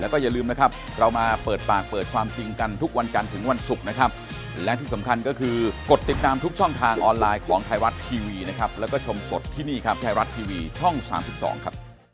คุณพิธาในหุ้นไอทีวีช่อง๓๒ครับ